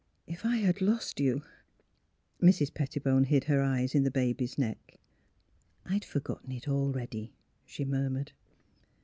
... If I had lost you Mrs. Pettibone hid her eyes in the baby's neck. " I had forgotten it, already," she murmured.